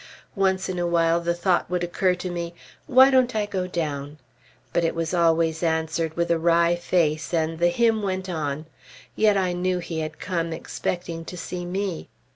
Once in a while the thought would occur to me, "Why don't I go down?" But it was always answered with a wry face, and the hymn went on. Yet I knew he had come expecting to see me.